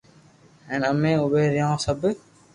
ھين امي اووي رھيو سب